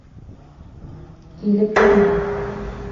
Килеп йөрөмә!